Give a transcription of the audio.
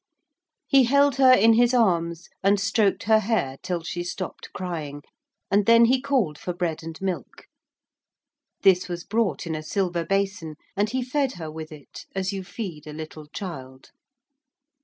He held her in his arms and stroked her hair till she stopped crying, and then he called for bread and milk. This was brought in a silver basin, and he fed her with it as you feed a little child.